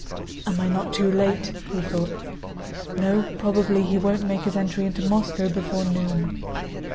"Am I not too late?" he thought. "No, probably he won't make his entry into Moscow before noon."